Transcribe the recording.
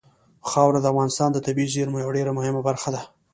خاوره د افغانستان د طبیعي زیرمو یوه ډېره مهمه برخه ده.